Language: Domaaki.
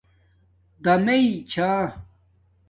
دَمیݺ چھݳ